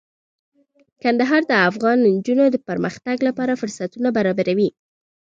کندهار د افغان نجونو د پرمختګ لپاره فرصتونه برابروي.